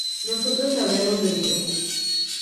nosotros habremos bebido